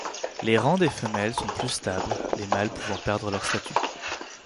Les rangs des femelles sont plus stables, les mâles pouvant perdre leur statut.